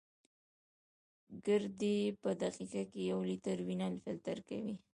ګردې په دقیقه کې یو لیټر وینه فلټر کوي.